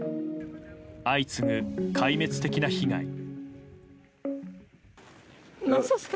相次ぐ壊滅的な被害。